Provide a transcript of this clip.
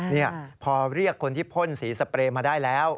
นี่พอเรียกคนที่พ่นสีสเปรย์มาได้แล้ว